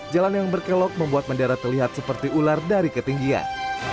jalan yang berkelok membuat bendera terlihat seperti ular dari ketinggian